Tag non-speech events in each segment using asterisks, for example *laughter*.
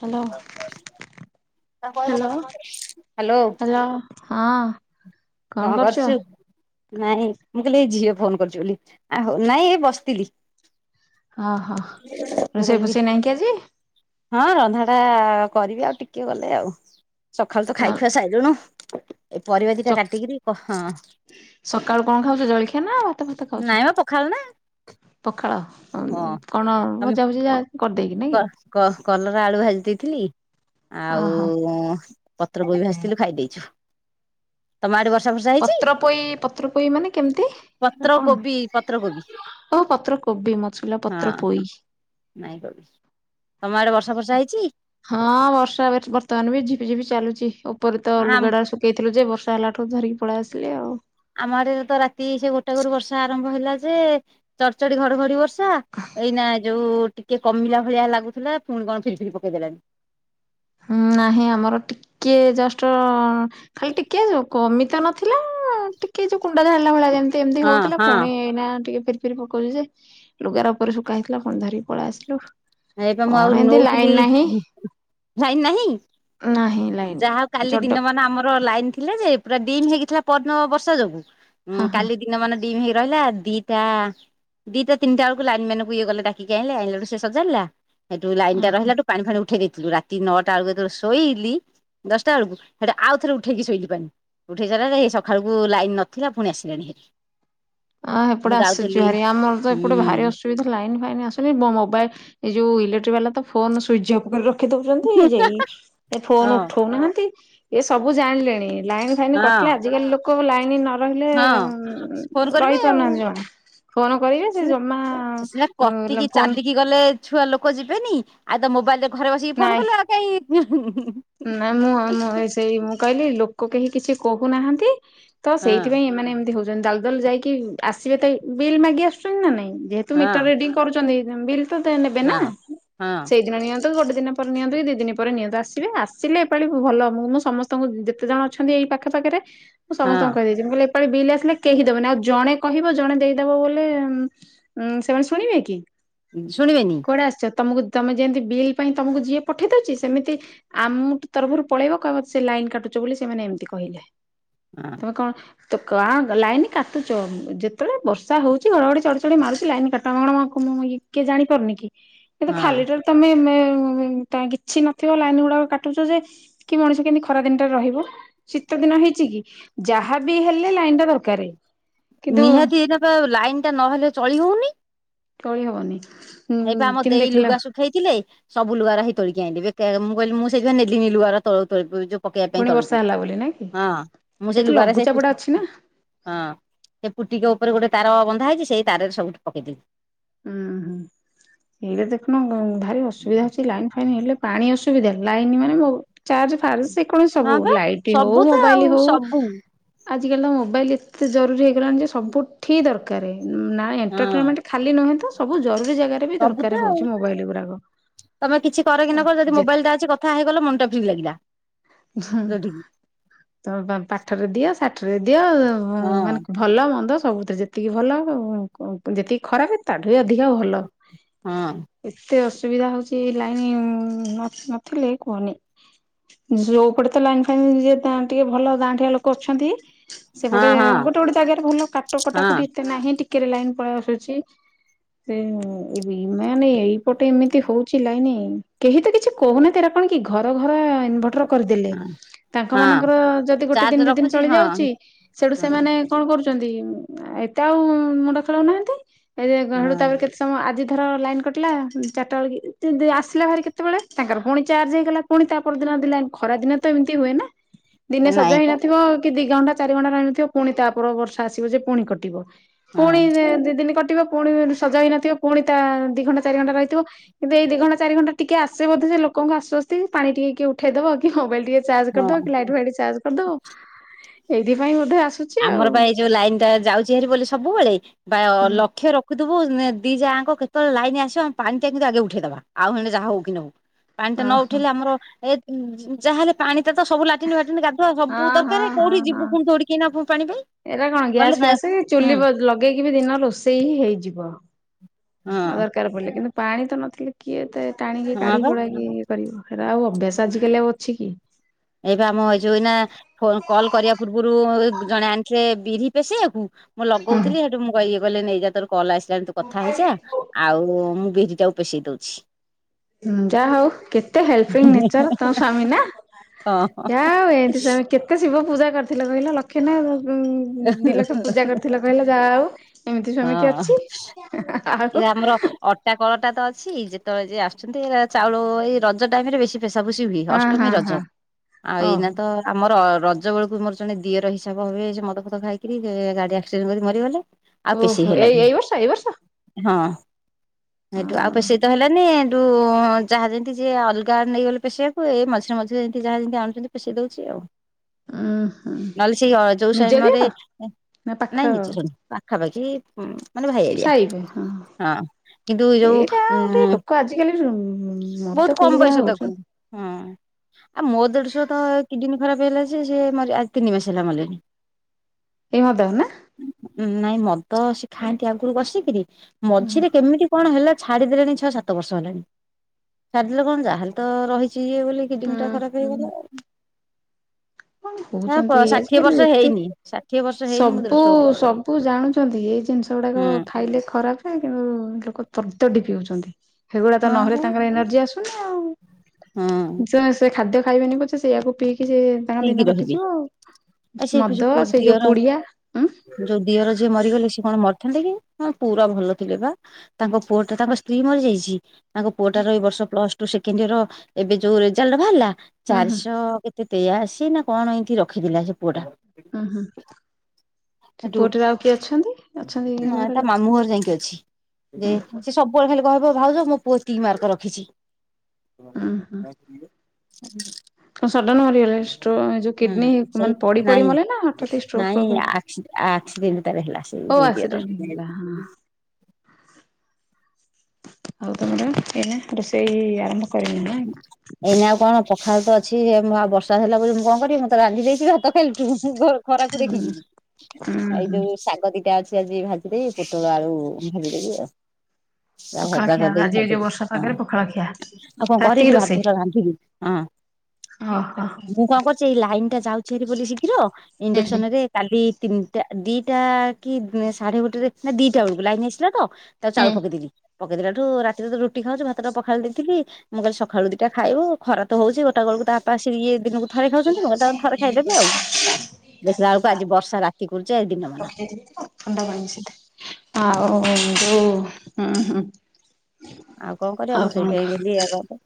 Hello hello. Hello ହଁ। କଣ କରୁଚୁ? ନାଇଁ ମୁଁ କହିଲି ଏଇ ଝିଅ ଫୋନ୍ କରଚି ବୋଲି। ଆ ହୋ ନାଇଁ ଏଇ ବସିଥିଲି। ଓହୋ, ମୁଁ ରୋଷେଇ କହିଲି ଫୋଷେଇ ନାଇଁ କି ଆଜି? ହଁ ରନ୍ଧା ଟା କରିବି ଆଉ ଟିକେ ଗଲେ ଆଉ। ସଖାଳୁ ତ ଖାଇ ଖୁଆ ସାଇଲୁଣୁ। ଏଇ ପରିବା ତ ଦିଟା କାଟ ସକାଳୁ କଣ ଖାଉଛ ଜଳଖିଆ ନା ଭାତ ଫାତ ଖାଉଛ? ନାଇଁ ମ ପଖାଳ ନା ପଖାଳ ହଁ ଉଁ, କଣ ତମେ ଭଜା ଭଜି ଯା କରିଦେଇକି ନାଇଁ କ କି? କ- କଲରା ଆଳୁ ଭାଜି ଦେଇଥିଲି। ଆଉ ଓହୋ ଉଁ, ପତ୍ର କୋବି ଭାଜିଥିଲୁ ଖାଇ ଦେଇଛୁ। ତୋମ ଆଡେ ବର୍ଷା ଫର୍ଷା ହେଇଛି? ପତ୍ର ପୋଇ ପତ୍ର ପୋଇ ମାନେ କେମିତି ସେଟା ପତ୍ର କଣ? କୋବି ପତ୍ର କୋବି ଓହୋ! ପତ୍ର କୋବି ମୋତେ ଶୁଭିଲା ହଁ ପତ୍ର ପୋଇ। ନାଇଁ କୋବି, ତୋମ ଆଡ଼େ ବର୍ଷା ଫର୍ଷା ହେଇଛି? ହଁ ବର୍ଷା ବିତ ବର୍ତ୍ତମାନ ବି ଝିପି ଝିପି ଚାଲୁଚି। ଉପରେ ତ ଲୁଗା ଆମ ଗୁଡା ଶୁ କେଇଥିଲୁ ଯେ ବର୍ଷା ହେଲା ଠୁ ଧରିକି ପଳେଇ ଆସିଲି ଆଉ। ଆମ ଆଡେ ତ ରାତି ସେ ଗୋଟା କରୁ ବର୍ଷା ଆରମ୍ଭ ହେଲା ଯେ ଚଡ ଚଡି ଘଡଘଡି ବର୍ଷା। ଏଇନା ଯୋଉ ଟିକେ କମିଲା ଭଳିଆ ଲାଗୁଥୁଲା। ପୁଣି କଣ ଫିର୍ ଫିର୍ ପକେଇଦେଲାଣି। ହଁ ନାହିଁ ଆମର ଟିକେ ଜଷ୍ଟ ଖାଲି ଟିକେ ଯୋଉ କମି ତ ନ ଥି ଥିଲା ଟିକେ ଯୋଉ କୁଣ୍ଡା ଝାଡିଲା ଭଳିଆ ଯେମିତି ଏମତି ହଁ ହଉଥିଲା। ହଁ। ପୁଣି ଏଇନା ଟିକେ ଫିର୍ ଫିର୍ ପକଉଚୁ ଯେ ଲୁଗା ଗୁରା ଉପରେ ଶୁଖା ହେଇଥିଲା ପୁଣି ଧରିକି ପଳେଇ ଆସିଲୁ। ଏଇ ପା ମୁଁ କଣ ଆଉ ଏମିତି ନଉଥିଲି, ଲାଇନ ନାହିଁ ଲାଇନ୍ ନାହିଁ। ନାହିଁ। ଲାଇନ ଯାହା ହଉ କାଲି ଦିନ ଚଡକ ମାନ ଆମର ଲାଇନ୍ ଥିଲା ଯେ ପୁରା ଡିମ୍ ହେଇକି ଥିଲା ପରଦିନ ବର୍ଷା ଯୋଗୁ। ଉଁ, ହଁ ହଁ କାଲି ଦିନ ମାନ ଡିମ୍ ହେଇ ରହିଲା। ଦିଟା ଦିଟା ତିନି ଟା ବେଳକୁ ଲାଇନ୍ ମ୍ୟାନ୍ କୁ ଇଏ ଗଲେ ଡାକିକି ଆଣିଲେ ଆଣିଲା ଠୁ ସିଏ ସଜାଡ଼ିଲା। ସେଠୁ ଲାଇନ୍ ହଁ ଟା ରହିଲା ଠୁ ପାଣି ଫାଣି ଉଠେଇ ଦେଇଥିଲୁ। ରାତି ନଅଟା ବେଳକୁ ଯେତେବେଳେ ଶୋଇଲି। ଦଶଟା ବେଳକୁ ସେଠୁ ଆଉ ଥରେ ଉଠେଇକି ଶୋଇଲି ପାଣି। ଉଠେଇ ସାଇଲା ଯାଇ ହେଇ ସଖାଳକୁ ଲାଇନ୍ ନଥିଲା ପୁଣି ଆସିଲାଣି ହେରି। ଅଁ, ହେପଟେ ମୁଁ ଆସୁଛି ଯାଉଥିଲି ଭାରି। ଆମର ତ ଏପଟେ ଭାରି ହୁଁ ଅସୁ ସୁବିଧା ଲାଇନ୍ ଫାଇନ୍ ଆସୁନି। ବ- ମୋବା ଏ ଯୋଉ ଇଲେକ୍ଟ୍ରିକ୍ ବାଲା ତ ଫୋନ୍ ସୁଇଜ୍ ଅଫ୍ କରି ର ରଖି ଦଉଚନ୍ତି। ଯେଇ ଏ ଫୋନ୍ ହଁ ଉଠଉ ନାହାନ୍ତି ଏ ସବୁ ଜାଣିଲେଣି। ଲାଇନ୍ ଲାଇନ୍ ହଁ କଟିଲା ଆଜିକାଲି ଲୋକ ଲାଇନ୍ ନ ରହିଲେ ହଁ ଉଁ, ଫୋନ କରିବେ ଆଉ ସେ ସିଏ ଜମା ଏ ସିଏ କଟିକି ଫୋନ ଚାଲି କି ଗଲେ ଛୁଆ ଲୋକ ଯିବେନି ଆଉ ତ ମୋବାଇଲ୍ ରେ ଘରେ ବସିକି ଫୋନ୍ ନାଇଁ କଲେ ଆଉ କାଇଁ ନା ମୁଁ ଆ, ମୁଁ ହେଇ ସେଇ ମୁଁ କହିଲି ଲୋକ କେହି କିଛି କହୁନାହାନ୍ତି। ତ ହଁ ସେଇଥିପାଇଁ ଏମାନେ ଏମିତି ହଉଚନ୍ତି। ଦାଲ ଦାଲ ଯାଇକି ଆସିବେ ତ ଏ ବିଲ୍ ମାଗି ଆସୁଛନ୍ତି ନା ନାଇଁ। ଯେହେତୁ ହଁ ମିଟର୍ ରିଡିଙ୍ଗ କରୁଚନ୍ତି। ଅଁ, ବିଲ୍ ତ ତେ ନେବେ ହଁ ନା। ହଁ ସେଇଦିନ ନିଅନ୍ ତ ଗୋଟେ ଦିନ ପରେ ନିଅନ୍ତି। ଦି ଦିନ ପରେ ନିଅନ୍ତୁ। ଆସିବେ ଆସ ଆସିଲେ ଏପାଳି ଭଲ ମୁଁ ସମସ୍ତଙ୍କୁ ଯେତେ ଜଣ ଅଛନ୍ତି ଏଇ ପାଖ ପାଖରେ ମୁଁ ସମସ୍ତଙ୍କୁ ହଁ କହିଦେଇ ମୁଁ କହିଲି ଏ ପାଳି ବିଲ୍ ଆସିଲେ କେହି ଦବନି ଆଉ ଜଣେ କହିବ ଜଣେ ଦେଇଦବ ବୋଲେ ଉଁ ସେମାନେ ଶୁଣିବେ କି? ଶୁଣିବେନି। କୁଆଡ଼େ ଆସିଚ ତମକୁ ତମେ ଯେମିତି ବିଲ୍ ପାଇଁ ତମକୁ ଯିଏ ପଠେଇ ଦଉଛି ସେମିତି ଆମ ତରଫରୁ ପଳେଇବ କହିବ ସେ ଲାଇନ କାଟୁଛ ବୋଲି ସେମାନେ ଏମିତି କହିଲେ। ହଁ ତମେ କଣ କା ଲାଇନ୍ କାଟୁଚ ଯେତେବେଳେ ବର୍ଷା ହଉଛି ଘଡଘଡି ଚଡ଼ଚଡ଼ି ମାରୁଛି ଲାଇନ କାଟ ଆମେ କଣ ଇ କିଏ ଜାଣି ପାରୁନି କିନ୍ତୁ ହଁ ଖାଲି ଟାରେ ତମେ କିଛି ନଥିବ ଲାଇନ ଗୁଡାକ କାଟୁଛୁ ଯେ କି ମଣିଷ କେମିତି ଖରା ଦିନଟାରେ ରହିବ। ଶୀତ ଦିନ ହେଇଛି କି ଯାହାବି ହେଲେ ଲାଇନ ଟା ଦରକାର। କିନ୍ତୁ ନିହାତି ଏଟା ଲାଇନ ଟା ନହେଲେ ଚଳି ହଉନି। କରି ହବନି। ହୁଁ ହେଇପା ଆମ କେମିତି ଦେଇ ଦେଖିଲା ଲୁଗା ସୁ ହେଇଥିଲେ ସବୁ ଲୁଗା ରା ହେଇ ତୋଳିକି ଆଣିଲେ ମୁଁ କହିଲି ମୁଁ ସେଇଥିପାଇଁ ନେଲିନି ଲୁଗା ପକେଇବା ପାଇଁ ପୁଣି ବର୍ଷା ତଳକୁ ହେଲା ବୋଲି ନାଇଁ କି ହଁ ମୁଁ ସେ ଏତ ଲୁଗାରେ ସେ ଲଘୁଚାପ ଟା ଅଛି ନା ହଁ ସେ ପୁଟିକ ଉପରେ ଗୋଟେ ତାର ବନ୍ଧା ହେଇଛି ସେଇ ତାରରେ ସବୁଠି ପକେଇଦେବି ଉୁଁ ହୁଁ ସେଇଟା ଦେଖୁନ ଭାରି ଅସୁବିଧା ହଉଛି ଲାଇନ ଫାଇନ୍ ହେଲେ। ପାଣି ଅସୁବିଧା ଲାଇନ ମାନେ ମୋ ଚାର୍ଜ ଫାର୍ ସେ କଣ ସବୁ ହଁ ବା ଲାଇଟ ହଉ ସବୁ ତ ମୋବାଇଲ ଆଉ ହଉ ସବୁ ଆଜ କାଲି ତ ମୋବାଇଲ ଏତେ ଜରୁରୀ ହେଇଗଲାଣି ଯେ ସବୁଠି ଦରକାର ହଁ ଏଣ୍ଟରଟେମେଣ୍ଟ ଖାଲି ନୁହେଁ ତ ସବୁ ଜରୁରୀ ଜାଗାରେ ବି ସବୁ ତ ଦରକାର ଆଉ ହଉଛି ମୋବାଇଲ ଗୁଡାକ ତମେ କିଛି କର ଓ କିନା କର ଯଦି ଯେତେ ମୋବାଇଲ ଟା ଅଛି କଥା ହେଇଗଲେ ମନ ଟା ଫ୍ରି ଲାଗିଲା ହଁ ଯୋଉଠିକି ତମ ପାଠରେ ଦିଅ ଷାଠରେ ଦିଅ ହଁ ମାନେ ଭଲ ମନ୍ଦ ସବୁଥିରେ ଯେତିକି ଭଲ ଯେତିକି ଖରାପ ତାଠୁ ବି ଅଧିକା ଭଲ ହଁ ଏତେ ଅସୁବିଧା ହଉଛି ଲାଇନ୍ ନଥିଲେ କୁହନି। ଯୋଉପଟେ ତ ଲାଇନ୍ ଫାଇନ୍ ଯ ଟିକେ ଭଲ ଗାଁଠିଆ ଲୋକ ଅଛନ୍ତି। ହଁ ସେପଟେ ହଁ ଗୋଟେ ଗୋଟେ ଜାଗାରେ ଭଲ କାଟ କଟା ହଁ କଟି ଏତେ ନାହିଁ ଟିକେରେ ଲାଇନ ପଳେଇ ଆସୁଛି ସେ ଏ ମେନ ଏଇ ପଟେ ଏମିତି ହଉଛି ଲାଇନି କେହି ତ କିଛି କହୁନାହାନ୍ତିରା କଣ କି ଘର ଘର ଭୋଟର କରିଦେଲେ ହଁ ତାଙ୍କ ହଁ ମାନଙ୍କର ଯଦି ଗୋଟେ ଚାର୍ଜ ଦିନ ଦି ଦିନ ରଖୁଛି ଚଳି ହଁ ଯାଉଛି ସେଠୁ ହଁ ସେମାନେ କଣ କରୁଛନ୍ତି ଏତେ ଆଉ ମୁଣ୍ଡ ଖେଳଉନାହାନ୍ତି ଏଡୁ ତାପରେ କେତେ ତମ ଆଜିଥର ଲାଇନ୍ କଟିଲା ଚାରିଟା ବେଳ କି ଆସିଲା ଭାରି କେତେବେଳେ ତାଙ୍କର ପୁଣି ଚାର୍ଜ ହେଇଗଲା। ପୁଣି ତା ପର ଦିନ ଦେଲା ଖରା ଦିନ ତ ଏମିତି ହୁଏ ନା ଦିନେ ହଁ ସଜ ନାଇଁ ପା ହେଇନଥିବ କି ଦି ଘଣ୍ଟା ଚାରି ଘଣ୍ଟା ଆଣୁଥିବ ପୁଣି ତାପ ବର୍ଷା ଆସିବ ଯେ ପୁଣି କଟିବ ହଁ ପୁଣି ଦି ଦିନ କଟିବ ପୁଣି ସଜା ହୋଇନଥିବ ପୁଣି ତା ଦି ଘଣ୍ଟା ଚାରି ଘଣ୍ଟା ରହିଥିବ। କିନ୍ତ ଏଇ ଦି ଘଣ୍ଟା ଚାରି ଘଣ୍ଟା ଟିକେ ଆସେ ବୋଧ ସେ ଲୋକଙ୍କୁ ଆସ୍ସ୍ତି ପାଣି ଟିକେ କିଏ ଉଠେ ଉଠେଇଦବ କି ମୋବାଇଲ ଟିକେ ଚାର୍ଜ ହଁ କରିଦବ କି ଲାଇଟ୍ ଫାଇ ଚାର୍ଜ କରିଦବ ଏଇଥିପାଇଁ ବୋଧେ ଆସୁ ଆମର ବା ଏଇ ଯୋଉ ଲାଇନ ଟା ଯାଉଛି ହେରି ବୋଲି ସବୁବେଳେ ବା ହୁଁ ଲକ୍ଷ୍ୟ ରଖୁଥୁ ଦି ଯାଙ୍କ କେତେବେଳେ ଲାଇନ ଆସିବ ଆମ ପାଣି ଟା କିନ୍ତୁ ଆଗେ ଉଠେଇଦବା ଆଉ ହେେ ଯାହା ହଉ କି ନ ହଉ। ପାଣି ଟା ନ ଓହୋ। ଉଠେଇଲେ ଆମର ଏ ଯାହାେଲେ ପାଣି ଟା ତ ସବୁ ଲାଟିନ୍ ଫାଟିନ ହ ହଁ ହବୁ ହଁ ଦରକାର ହଁ କୋଉଠି ହଁ। ଯିବୁ ପୁଣି ସେୋଉଠି ପୁଣି ପାଣି ପାଇଁ ଏଇଟା କଣ ଗଲେ ଗ୍ୟାସ ନା ଫ୍ୟାସ ହୁଁ ଚୁଲି ଲଗେଇକି ବି ଦିନ ରୋଷେଇ ହି ହେଇଯିବ। ହଁ ଆଉ ଦରକାର ପଡ଼ିଲେ କିନ୍ତୁ ପାଣି ତ ନଥିଲେ କିଏ ଏତେ ଟାଣି ହେଇ ହଁ ବା କାଢିକୁଢା କି କରିବ ହେରାଆଉ ଅଭ୍ୟାସ ଆଜିକାଲି ଆଉ ଅଛି କି ଏଇ ବା ଆମ ଏଇ ଯୋଉନା ଫୋନ୍ କଲ କରିବା ପୂର୍ବରୁ ଜଣେ ଆଣିଥିଲେ ବିରି ପେଶିଆକୁ ମୁଁ ଲଗଉଥିଲି ହେଠୁ ମୁଁ କହି ଇଏ କହିଲେ ନେଇଯା ତୋର କଲ୍ ଆସିଲାଣି ତୁ କଥା ହେଇଯା ଆଉ ମୁଁ ବିରିଟାକୁ ପେଷେଇ ଦଉଛି। ଯାହା ହଉ କେତେ ହେଲ୍ପିଙ୍ଗ ନେଚର ତମ ସ୍ଵାମୀ ନା। ହଁ ଯାହା ହୋଉ ଏମିତି ସ୍ବାମୀ କେତେ ଶିବ ପୂଜା କରିଥିଲ କହିଲ ଲକ୍ଷେ ନା ଉ ଦି ଲକ୍ଷ ପୂଜା କରିଥିଲ କହିଲ ଯାହା ହଉ ଏମିତି ସ୍ବାମୀ କିଏ ହଁ ଅଛି? ଏ ଆଉ ଆମର ଅଟା କଳଟା ତ ଅଛି ଯେତେବେଳେ ଯିଏ ଆସୁଛନ୍ତି ଚାଉଳ ଏଇ ରଜ ଟାଇମରେ ବେଶୀ ପେଶା ପେଶି ହୁଏ ହଁ ଅଷ୍ଟମୀ, ହଁ ରଜ ହଁ ଆଉ ଏଇନା ଓହୋ ତ ଆମର ରଜ ବେଳକୁ ମୋର ଜଣେ ଦିଅର ହିସାବ ହେବେ ସେ ମଦ ଫଦ ଖାଇକିରି ଗାଡ଼ି ଆକ୍ସିଡ଼େଣ୍ଟ କରି ମରିଗଲେ ଆଉ ପେଶେଇ ଓହୋ ଏଇ ହେଲାନି। ଏଇ ବର୍ଷ? ହଁ ହେଠୁ ଆଉ ପେଶେଇ ତ ହେଲାନି ହେଠୁ ହଁ ଯାହା ଯେମିତି ଯିଏ ଅଲଗା ନେଇଗଲେ ପେଶେଇଆକୁ ଏଇ ମଝିରେ ମଝିରେ ଯେମତି ଯାହା ଯେମିତି ଆଣୁଛନ୍ତି ପେଶେଇ ଦଉଛି ଆଉ। ଉଁ ହୁଁ ନହେଲେ ସେଇ ଅ ଯୋଉ ନିଜ ସମୟରେ ଦିଅର ନା ପାଖ ନାଇଁ ନିଜର ନୁହଁ। ପାଖାପାଖି ମାନେ ଭାଇ ଆଳିଆ। ଓହୋଃ। ହଁ କିନ୍ତୁ ଏ ଯୋଉ ଉ ଲୋକ ଆଜିକାଲି ମଦ ବହୁତ ପିଇକି କମ ଯାହା ବୟସ ହଉଛନ୍ତି ତାକୁ। ହଁ। ଆ ମୋ ଦେଢ଼ୁଶୁର ତ କିଡ଼ନୀ ଖରାପ ହେଲା ଯେ ସେ ଆ ତିନି ମାସ ହେଲା ମଲେଣି। ଏଇ ମଦ ନା? ନାଇଁ ମଦ ସେ ଖାଆନ୍ତି ଆଗରୁ କସିକିରି ମଝିରେ କେମିତି କଣ ହେଲା ଛାଡ଼ି ଦେଲେଣି ଛଅ ସାତ ବର୍ଷ ହେଲାଣି ଛାଡ଼ିଦେଲେ କଣ ଯାହେଲେ ତ ରହିଛି ଇଏ ବୋଲି ହୁଁ କିଡି଼ନୀ ଟା ଖରାପ ହୁଁ। ହେଇଗଲା ଆଉ। କଣ ନା ହଉଛନ୍ତି ଷାଠିଏ ଆଜିକାଲି ବର୍ଷ ଏତେ ହେଇନି ଷାଠିଏ ବର୍ଷ ହେଇନି ମୋ ସବୁ ଦେଢ଼ ଶୁର। *unintelligible* ସବୁ ଜାଣୁଛନ୍ତି ଏଇ ଜିନିଷ ଗୁଡ଼ାକ ଖାଇଲେ ଖରାପ କିନ୍ତୁ ଲୋକ ତଡ଼ି ତଡ଼ି ପିଉଛନ୍ତି ସେଗୁଡା଼ ତ ନହେଲେ ହଁ ତାଙ୍କର ଏନର୍ଜି ଆସୁନି ଆଉ। ଯେ ସେ ଖାଦ୍ୟ ଖାଇବେନି ପଛେ ସେଇୟାକୁ ପିଇକି ସେ ତାଙ୍କ ହେଇକି ଦିନ ରହିବି କଟିଯିବ ସେ ଆଉ ଯୋଉ ମଦ ପୁଅ ସେ ଯୋଉ ଦିଅର ପୁଡ଼ିଆ। ଉଁ? ଯୋଉ ଦିଅର ଯିଏ ମରିଗଲେ ସିଏ କଣ ମରିଥାନ୍ତେ କି ପୁରା ଭଲ ଥିଲେ ବା ତାଙ୍କ ପୁଅଟା ତାଙ୍କ ସ୍ତ୍ରୀ ମରିଯାଇଛି ତାଙ୍କ ପୁଅଟାର ଏଇବର୍ଷ ପ୍ଲସଟୁ ସେକେଣ୍ଡ ଇୟର ଏବେ ଯୋଉ ରେଜଲ୍ଟ ବାହାରିଲା ହୁଁ ହୁଁ ଚାରିଶହ କେତେ ତେୟାଆସି ନା କଣ ଏମତି ରଖିଥିଲା ସେ ପୁଅ ଟା। ଉଁ ହୁଁ। ସେ ସେଠୁ ପୁଅଟିର ଆଉ କିଏ ଅଛନ୍ତି ଅଛନ୍ତି ନା ଘର ତା ଲୋକ? ମାମୁଁ ଘର ଯାଇକି ଅଛି ଯେ ସିଏ ସବୁବେଳେ ଖାଲି କହିବ ଭାଉଜ ମୋ ପୁଅ ଏତିିକି ମାର୍କ ରଖିଛି। ଉଁ ହୁଁ *inaudible* କଣ ସଡ଼ନ ମରିଗଲେ? ଷ୍ଟ୍ରୋ ଯୋଉ କିଡନୀ ହୁଁ ସେଇ ମାନେ ପଡି ପଡି ନାଇଁ ମଲେ ନା ହଠାତ୍ ଷ୍ଟ୍ରୋକ ନାଇଁ ଫ୍ରୋକ ହେଲା? ଆକ୍ସିଡେଣ୍ଟ ତାର ହେଲା ସେଇ ଓ ଯୋଉ ଆକ୍ସିଡେଣ୍ଟ ଦିଅରର। ହେଇଗଲା ହଁ ହଉ ତ ମ୍ୟାଡ଼ାମ ଏନା ରୋଷେଇ ଆରମ୍ଭ କରିନ ନା? ଏଇନା ଆଉ କଣ ପଖାଳ ତ ଅଛି ଆଉ ମୁଁ ବର୍ଷା ହେଲା ବୋଲି ମୁଁ କଣ କରିବି ମୁଁ ତ ରାନ୍ଧି ଦେଇଛିି ଭାତ ଖାଇବି। ଖରାକୁ ଉଁ ଦେଖିକରି ଏଇ ହୁଁ ଯୋଉ ଶାଗ ଟା ଅଛି ଆଜି ଭାଜିଦେବି ପୋଟଳ ଆଳୁ ଭାଜିଦେବି ଆଉ। ପଖାଳ ପୁରା ଖିଆ ଆଜି ଭଜା ଏଇ ଯୋଉ ବର୍ଷା କରିଦେଇିକି ପାଗରେ ପଖାଳ ଖାଇଦେବୁ ଖିଆ। ହଁ। ମୁଁ କଣ ରାତିକି କରିଛି ଭାତଉରା ରାନ୍ଧିକି? ଓହୋଃ। ମୁଁ କଣ କରୁଛି ଏଇ ଲାଇନ ଟା ଯାଉଛି ଭାରି ବୋଲି ଶୀଘ୍ର ଇଣ୍ଡକ୍ସନ କାଲି ତିନିଟା ଦିଟା କି ସାଢ଼େ ଗୋଟରେ ନା ଦିଟା ବେଳକୁ ଲାଇନ୍ ଆସିଲା ତ ତ ଚାଉଳ ପକେଇଦେଲି ପକେଇ ଦେଲାଠୁ ରାତିରେ ତ ରୁଟି ଖାଉଛୁ ଭାତଟା ପଖାଳ ଦେଇଥିଲି। ମୁଁ କାଲି ସକାଳୁ ଦିଟା ଖାଇବୁ ଖରା ତ ହଉଛି ଗୋଟେ ବେଳକୁ ତା ବାପା ଆସିକି ଇଏ ଥରେ ଖାଉଛନ୍ତି ମୁଁ ତା ଥରେ ଖାଇଦେବି ଆଉ ଦେଖିଲା। ବେଳକୁ ଆଜି ବର୍ଷା ରାତି କୋରୁଛେ ଏଇ ଦିନ ମାନ ରଖି ଦେଇଥିବି ଥଣ୍ଡା ପାଣି ସେତ ଆଉ ଯୋଉ ହଁ ହଁ ଆଉ କଣ କରିବା ମୁଁ ସେଇଠି ଗଲି ୟ କ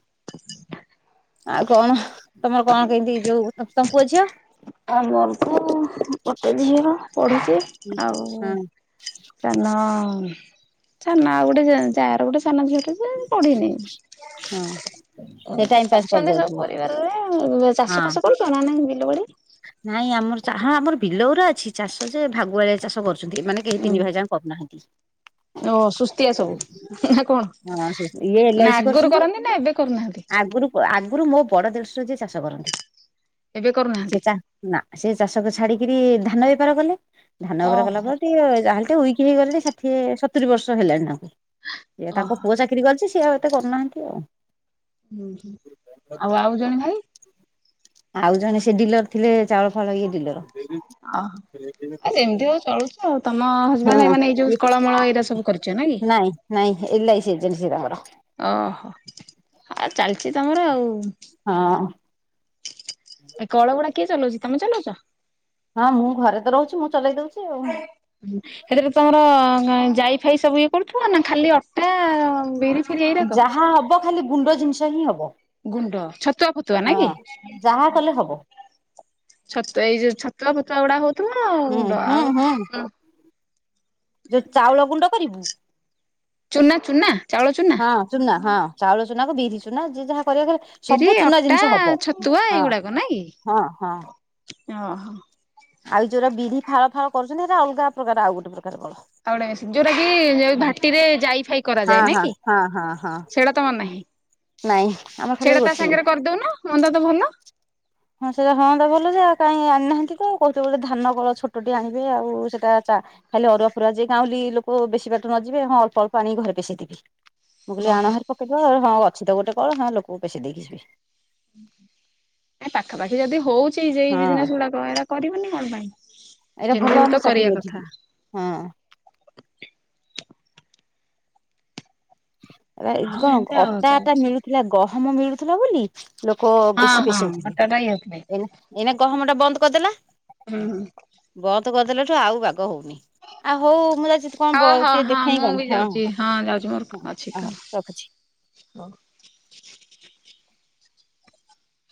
ଆଉ କଣ? ତମର କଣ କେମତି ଯୋଉ ତମ ପୁଅ ଝିଅ? ଆମର ତ ଗୋଟେ ଝିଅ ପଢୁଛି ଆଉ ହଁ ସାନ ସାନ ଆଉ ଗୋଟେ ଯାଆ ର ଗୋଟେ ସାନ ଝିଅଟେ ଯେ ପଢ଼ିନି ହଁ ସେ ଟାଇମ ପାସ୍ ଅଛନ୍ତି ସବୁ କରିଦଉଥିବ। ପରିବାରରେ ଅ ହଁ ଚାଷ ଫାସ କରୁଛ ନା? ନାହିଁ ବିଲ ବାଡ଼ି ନାଇଁ ଆମର ହଁ ଆମର ବିଲଉରା ଅଛି ଚାଷ ଯେ ଭାଗୁଆଳିଆ ଚାଷ କରୁ ମାନେ କେହି ତିନି ଭାଇ ଯାଙ୍କ କରୁନାହାନ୍ତି। ଓ ସୁସ୍ତିଆ ସବୁ ନା କଣ? ହଁ ଇଏ ନା ଏଲ-ଆଇ-ସି ଆଗରୁ କରୁଛନ୍ତି କରନ୍ତି ନା ଏବେ କରୁନାହାନ୍ତି ଆଗରୁ ଆଗରୁ ମୋ ବଡ ଦେଡ଼ସୁର ଯିଏ ଚାଷ କରନ୍ତି। ଏବେ କରୁନାହାନ୍ତି। ସେ ଚା ନା ସେ ଚାଷକୁ ଛାଡିକିରି ଧାନ ବେପାର କଲେ ଧାନ ବେପାର କଲା ଓହୋ ପରେ ସେ ଯାହେଲେ ବି ଟିକେ ୱିକ୍ ହେଇଗଲେଣି ଷାଠିଏ ସତୁରୁ ବର୍ଷ ହେଲାଣି ତାଙ୍କୁ ସେ ତାଙ୍କ ଓହୋ। ପୁଅ କିରି କରିଛି ସେଆଉ ଏତେ କରୁନାହାନ୍ତି ଆଉ ହୁଁ ଆଉ ଆଉ ଜଣେ ଭାଇ? ଆଉ ଜଣେ ସେ ଡିଲର ଥିଲେ ଚାଉଳ ଫାଉଳ ଇଏ ଡିଲର ଓହୋ ଆ ଯେମିତି ଆଉ ଚଳୁଛ ଆଉ ତମ ହଁ ହଜବେଣ୍ଡ ଏମାନେ ଏଇ ଇଏ ଯୋଉ କଳ ମଳ ଏଇରା ସବୁ କରିଛ ନାଇ କି? ନାଇଁ ନାଇଁ ଏଲ-ଆଇ-ସି ଏଜେଣ୍ଟ ସେ ତାଙ୍କର ଓହୋ ଆଉ ଚାଲିଛି ତମର ଆଉ। ହଁ। ଏ କଳ ଗୁଡା କିଏ ଚଲାଉଛି ତମେ ଚଲାଉଛ? ହଁ ମୁଁ ଘରେ ତ ରହୁଛି ମୁଁ ଚଲେଇ ଦଉଛି ଆଉ ସେଥିରେ ତମର ଜାଇ ଫାଇ ସବୁ ଇଏ କରୁଛ ନା ଖାଲି ଅଟା ବିରି ଫିରି ଏଇରାକ? ଯାହା ହବ ଖାଲି ଗୁଣ୍ଡ ଜିନିଷ ହିଁ ହବ। ଗୁଣ୍ଡ ଛତୁଆ ଫୁତୁଆ ନା କି? ହଁ ଯାହା କଲେ ହବ। ଛତୁ ଏଇ ଯୋଉ ଛତୁଆ ଫତୁଆ ଗୁଡା ହଉଥିବ ଆଉ ହୁଁ ଗୁଣ୍ଡ ହୁଁ ହୁଁ ଆଉ ଯୋଉ ଚାଉଳ ଗୁଣ୍ଡ କରିବୁ ଚୁନା ଚୁନା ଚାଉଳ ଚୁନା? ହଁ ଚୁନା ହଁ। ଚାଉଳ ଚୁନା କୁ ବିରି ଚୁନା ଯିଏ ଯାହା କରିବ ଚା ବିରି, ଅଟା, ଛତୁଆ ଏଇଗୁଡାକ ନାଇଁ କି? ହଁ ହଁ। ଓହୋ। ଆଉ ଯୋଉରା ବିଧି ଫାଳ ଫାଳ କରୁଛନ୍ତି ସେଇଟା ଅଲଗା ପ୍ରକାର ଆଉ ଗୋଟେ ପ୍ରକାରର ଫଳ ଆଉଟେ ଯୋଉଟା କି ଭାଟିରେ ଯାଇ ଫାଇ ହଁ କରାଯାଏ, ନାଇ ହଁ କି? ହଁ ହଁ ହଁ ସେଇଟା ମର ନାହିଁ। ନାଇଁ ଆମର ଖାଲି ସେଇଟା ତା ଗୋଟିଏ ସାଙ୍ଗରେ କରିଦଉନ ମନ୍ଦା ତ ଭଲ। ହଁ ସେଟା ହଁ ତ ଭଲ ସେଉ କାଇହିଁ ଆଣିନାହାନ୍ତି ତ କହୁଛ ଗୋଟେ ଧାନ କଳ ଛୋଟଟେ ଆଣିବେ ଆଉ ସେଇଟା ଚା ଖାଲି ଅରୁଆ ଫରୁଆ ଯିଏ ଗାଁଉଳି ଲୋକ ବେଶୀ ବାଟ ନଯିବେ ହଁ ଅଳ୍ପ ଅଳ୍ପ ଆଣି ଘରେ ପେସି ଦେବେ ମୁଁ କହିଲି ଆଣ ହାରି ପକେଇଦିଅ ଆଉ ହଁ ଅଛି ତ ଗୋଟେ କଳ ହଁ ଲୋକଙ୍କୁ ପେଶେଇ ଦେଇକି ଯିବେ ଏ ପାଖାପାଖି ଯଦି ହଉଛି ଯେଇ ହଁ ବିଜନେସ ଗୁଡାକ ଏରା କରିବନି କଣ ପାଇଁ? ଏଇଟା ଯେମିତି ଭଲ ହଉ ତ ଆମ କରିବା ଚାଲିବ କଥା ଏଇଠି, ହଁ। ଏରା ଆଉ କଣ ଏମିତି ଆଉ ଅଟା ଅଟା ଚାଲିଛି। ମିଳୁଥିଲା ଗହମ ମିଳୁଥିଲା ବୋଲି ଲୋକ ହଁ ବେଶୀ ହଁ ପେଶଉଥିଲେ ଅଟାଟା ଇଏ ହୁଏ। ଏଇ ଏଇନା ଗହମ ଟା ବନ୍ଦ କରିଦେଲା। ହୁଁ ହୁଁ। ବନ୍ଦ କରିଦେଲା ଠୁ ଆଉ ବାଗ ହଉନି ଆଉ ହଉ ମୁଁ ଯାଉଛି କଣ ହଉ ହଉ ଟିକେ ହଁ ଦେଖେଇ ମୁଁ ବି କଣ ହଁଁ। ଯାଉଛି ହଁ ଯାଉଛି ମୋର ଅଛି କାମ ହଉ